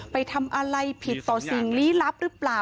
ไปทำอะไรผิดต่อสิ่งลี้ลับหรือเปล่า